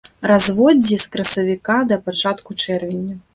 Разводдзе з красавіка да пачатку чэрвеня.